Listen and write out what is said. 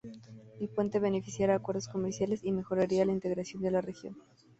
El puente beneficiaría acuerdos comerciales y mejoraría la integración de la región.